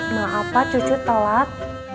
maaf pak cucu telat